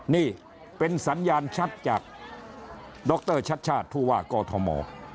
นี่เป็นสัญญาณชัดจากดรชัชชาธุวากอทอมหมอ